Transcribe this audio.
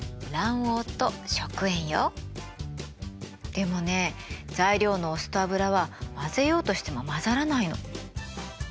でもね材料のお酢と油は混ぜようとしても混ざらないの。